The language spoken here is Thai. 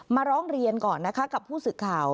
ร้องเรียนก่อนนะคะกับผู้สื่อข่าว